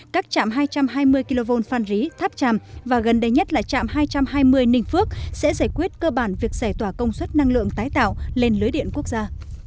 các chạm hai trăm hai mươi kv phan rí tháp tràm và gần đây nhất là chạm hai trăm hai mươi ninh phước sẽ giải quyết cơ bản việc giải tỏa công suất năng lượng tái tạo lên lưới điện quốc gia